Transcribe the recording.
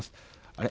あれ？